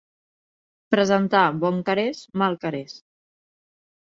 Presentar bon carés, mal carés.